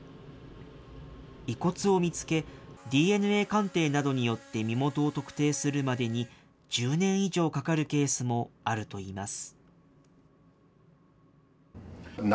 遺骨を見つけ、ＤＮＡ鑑定などによって身元を特定するまでに、１０年以上かかるケースもあるといいます。